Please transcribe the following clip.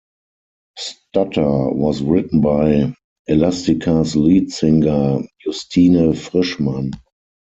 "Stutter" was written by Elastica's lead singer, Justine Frischmann.